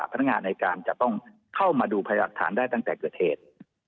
พนักงานในการจะต้องเข้ามาดูพยายามหลักฐานได้ตั้งแต่เกิดเหตุ